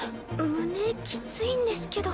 胸きついんですけど。